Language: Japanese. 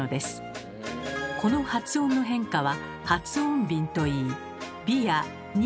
この発音の変化は「撥音便」といい「び」や「に」